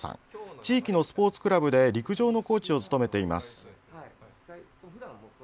地域のスポーツクラブで陸上のコーチを務めています。